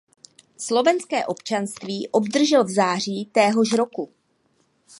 Slovenské občanství obdržel v září téhož roku.